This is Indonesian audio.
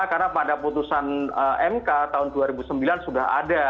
karena pada putusan mk tahun dua ribu sembilan sudah ada